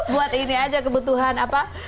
buat ini aja kebutuhan apa